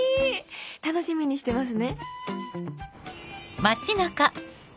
楽しみにしてますね！」。